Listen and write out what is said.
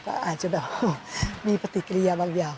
ก็อาจจะแบบมีปฏิกิริยาบางอย่าง